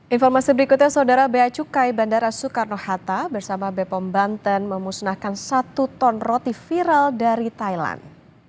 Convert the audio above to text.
informasi berikutnya saudara beacukai bandara soekarno hatta bersama bepom banten memusnahkan satu ton roti viral dari thailand